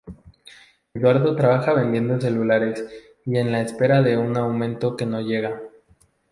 Eduardo trabaja vendiendo celulares, y en la espera de un aumento que no llega.